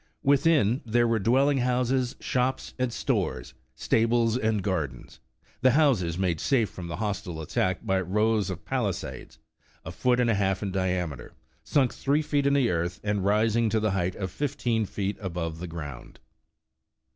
Within, there were dwelling houses, 103 The Original John Jacob Astor shops and stores, stables and gardens — the houses made safe from hostile attack by rows of palisades, a foot and a half in diameter, sunk three feet in the earth and rising to a height of fifteen feet above ground.